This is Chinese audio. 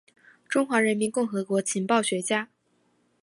中华人民共和国情报学家。